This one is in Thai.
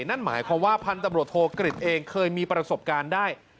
นั่นหมายความว่าพันธุ์ตำรวจโทกฤษเองเคยมีประสบการณ์ได้